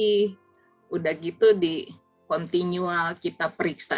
sudah gitu di continual kita periksa